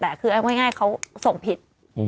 แต่คือเอาง่ายเขาส่งผิด